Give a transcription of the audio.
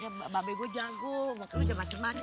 mbak mie gue jago makan aja macem macem